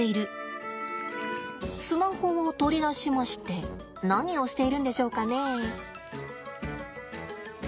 スマホを取り出しまして何をしているんでしょうかねえ。